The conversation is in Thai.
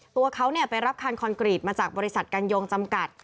ตัวเขาไปรับคันคอนกรีตมาจากบริษัทกันยงจำกัด